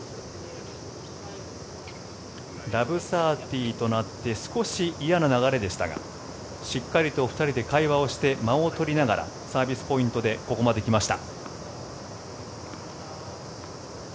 ０−３０となって少し嫌な流れでしたがしっかり２人で会話をして間を取りながらサービスポイントでここまで来ました。